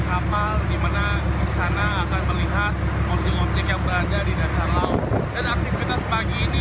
dan jika nanti ternyata dari objek yang sedang di jelas ditemukan untuk pagi ini